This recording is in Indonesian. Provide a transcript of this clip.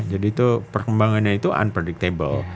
jadi itu perkembangannya itu unpredictable